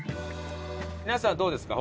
皆さんはどうですか？